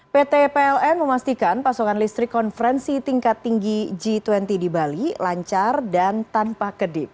pt pln memastikan pasokan listrik konferensi tingkat tinggi g dua puluh di bali lancar dan tanpa kedip